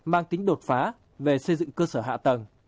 mang tính đột phá về xây dựng cơ sở hạ tầng